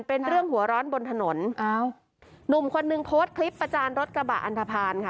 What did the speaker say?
เป็นเรื่องหัวร้อนบนถนนอ้าวหนุ่มคนนึงโพสต์คลิปประจานรถกระบะอันทภาณค่ะ